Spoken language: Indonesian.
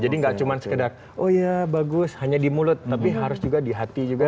jadi gak cuman sekedar oh ya bagus hanya di mulut tapi harus juga di hati juga